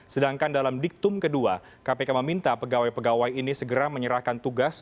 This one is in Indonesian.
sedangkan dalam diktum kedua kpk meminta pegawai pegawai ini segera menyerahkan tugas